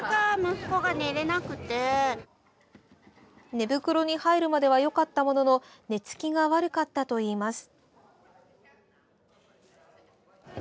寝袋に入るまではよかったものの寝つきが悪かったといいます。